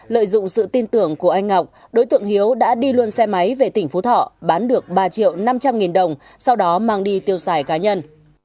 lợi dụng sự tin tưởng của anh ngọc đối tượng hiếu đã đi luôn xe máy về tỉnh phú thọ bán được ba triệu năm trăm linh nghìn đồng sau đó mang đi tiêu xài cá nhân